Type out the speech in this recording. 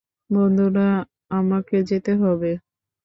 বন্ধুরা, আমাকে যেতে হবে।